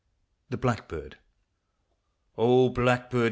THE BLACKBIRD. O Blackbird